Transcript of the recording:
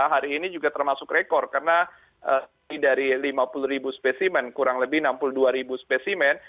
hari ini juga termasuk rekor karena dari lima puluh ribu spesimen kurang lebih enam puluh dua ribu spesimen